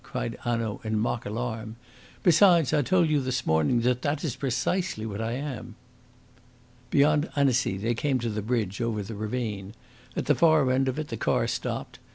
cried Hanaud, in mock alarm. "Besides, I told you this morning that that is precisely what I am." Beyond Annecy, they came to the bridge over the ravine. At the far end of it, the car stopped.